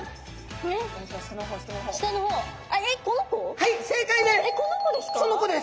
はい正解です！